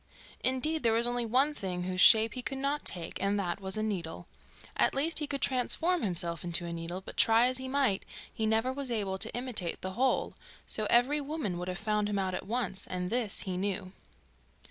Indeed, there was only one thing whose shape he could not take, and that was a needle. At least, he could transform himself into a needle, but try as he might he never was able to imitate the hole, so every woman would have found him out at once, and this he knew.